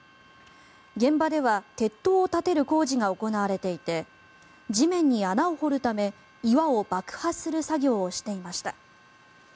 現場では鉄塔を建てる工事が行われていて地面に穴を掘るため岩を爆破する作業をしていました。